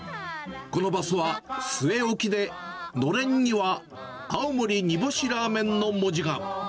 このバスは、据え置きでのれんには青森煮干しらーめんの文字が。